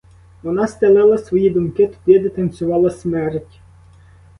Вона стелила свої думки туди, де танцювала смерть.